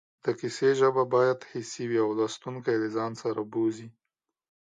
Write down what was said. د کیسې ژبه باید حسي وي او لوستونکی له ځان سره بوځي